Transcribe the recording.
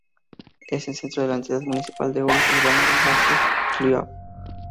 Es centro de la entidad municipal del ókrug urbano de Goriachi Kliuch.